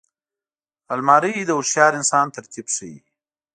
الماري د هوښیار انسان ترتیب ښيي